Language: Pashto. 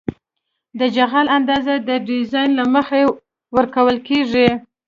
د جغل اندازه د ډیزاین له مخې ورکول کیږي